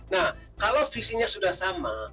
nah kalau visinya sudah sama